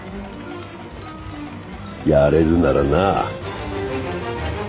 やれるならなあ。